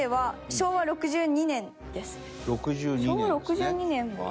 昭和６２年は。